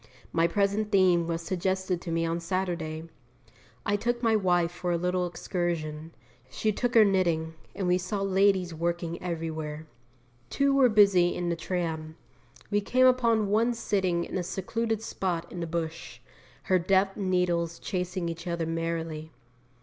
My present theme was suggested to me on Saturday. I took my wife for a little excursion; she took her knitting, and we saw ladies working everywhere. Two were busy in the tram; we came upon one sitting in a secluded spot in the bush, her deft needles chasing each other merrily.